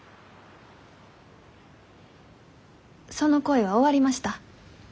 その恋は終わりました。